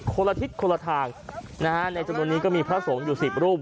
คนละทิศคนละทางนะฮะในจำนวนนี้ก็มีพระสงฆ์อยู่๑๐รูป